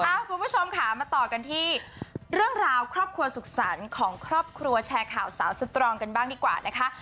คุณผู้ชมค่ะมาต่อกันที่เรื่องราวครอบครัวสุขสรรค์ของครอบครัวแชร์ข่าวสาวสตรองกันบ้างดีกว่านะคะ